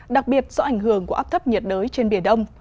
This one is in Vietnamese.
đặc biệt do ảnh hưởng của áp thấp nhiệt đới trên biển đông